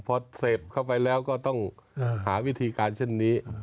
พอเสพเข้าไปแล้วก็ต้องหาวิธีการเช่นนี้